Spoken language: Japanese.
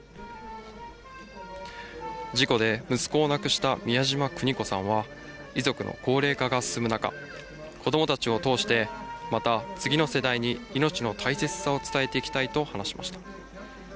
事故で息子を亡くした美谷島邦子さんは、遺族の高齢化が進む中、子どもたちを通して、また次の世代に命の大切さを伝えていきたいと話しました。